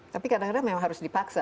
tapi kadang kadang memang harus dipaksa